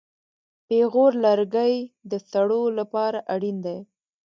پېغور لرګی د سړو لپاره اړین دی.